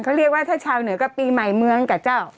เขาเรียกว่าถ้าชาวเหนือก็ปีใหม่เมืองกับเจ้า